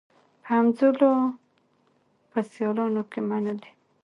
په همزولو په سیالانو کي منلې